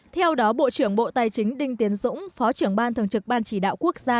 theo đó bộ trưởng bộ tài chính đinh tiến dũng phó trưởng ban thường trực ban chỉ đạo quốc gia